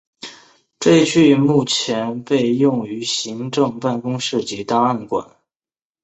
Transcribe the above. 这一区域目前被用于行政办公室及档案馆。